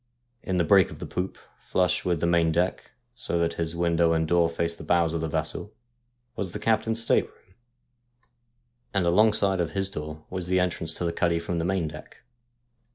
In the break of the poop, flush with the main deck, so that his window and door faced the bows of the vessel, was the captain's state room, and alongside of his door was the entrance to the 168 STORIES WEIRD AND WONDERFUL cuddy from the main deck.